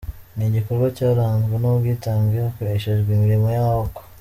Ni igikorwa cyaranzwe n'ubwitange hakoreshejwe imirimo y'amaboko.